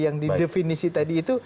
yang di definisi tadi itu